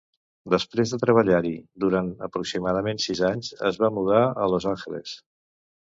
Després de treballar-hi durant aproximadament sis anys, es va mudar a Los Angeles.